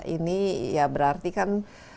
ini ya berarti kan